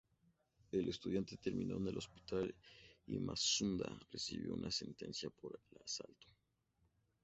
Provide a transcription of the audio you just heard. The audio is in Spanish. El estudiante terminó en el hospital y Matsuda recibió una sentencia por asalto.